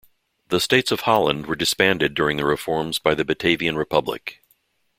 The States of Holland were disbanded during the reforms by the Batavian Republic.